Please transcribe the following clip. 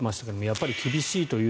やっぱり厳しいと。